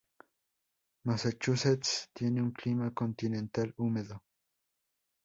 Massachusetts tiene un clima continental húmedo.